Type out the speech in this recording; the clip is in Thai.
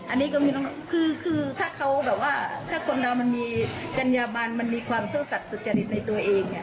อันนี้ก็มีคือถ้าเขาแบบว่าถ้าคนเรามันมีจัญญาบันมันมีความซื่อสัตว์สุจริตในตัวเองเนี่ย